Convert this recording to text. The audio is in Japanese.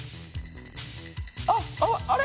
あっあれ？